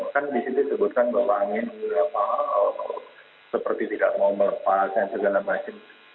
kan di situ disebutkan bahwa pak amin seperti tidak mau melepas dan segala macam